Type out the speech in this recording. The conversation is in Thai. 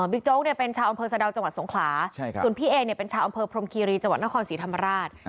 โจ๊กเป็นชาวอำเภอสะดาวจังหวัดสงขลาส่วนพี่เอเนี่ยเป็นชาวอำเภอพรมคีรีจังหวัดนครศรีธรรมราช